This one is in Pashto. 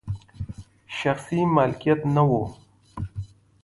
شخصي مالکیت نه و.